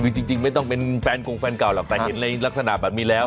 คือจริงไม่ต้องเป็นแฟนกงแฟนเก่าหรอกแต่เห็นในลักษณะแบบนี้แล้ว